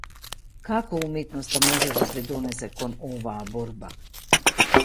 Како уметноста може да придонесе кон оваа борба?